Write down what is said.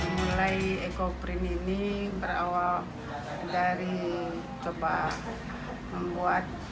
mulai ekoprim ini berawal dari coba membuat